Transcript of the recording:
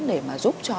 để mà giúp cho